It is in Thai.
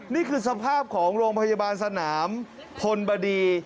นี่คือสภาพของโรงพยาบาลสนามพลบดี